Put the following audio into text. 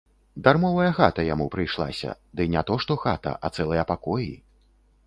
Дармовая хата яму прыйшлася, ды не то што хата, а цэлыя пакоі.